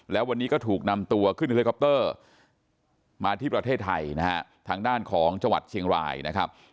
แล้ววันนี้ก็ถูกนำตัวขึ้นเฮลิคอปเตอร์มาที่ประเทศไทยนะฮะทางด้านของจังหวัดเชียงรายนะครับ